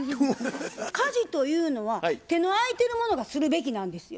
家事というのは手の空いてる者がするべきなんですよ。